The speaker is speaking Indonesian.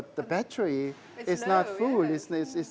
tapi baterainya tidak penuh